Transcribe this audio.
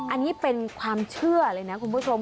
อันนี้เป็นความเชื่อเลยนะคุณผู้ชม